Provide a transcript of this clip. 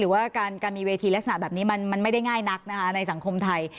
ว่าการมีเวทีลักษณะแบบนี้มันไม่ได้ง่ายนักนะคะในสังคมไทย